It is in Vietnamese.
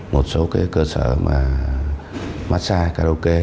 một số cái cơ sở mà massage karaoke